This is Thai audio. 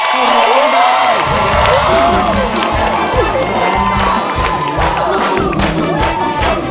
ร้องได้